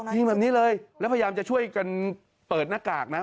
ยิงแบบนี้เลยแล้วพยายามจะช่วยกันเปิดหน้ากากนะ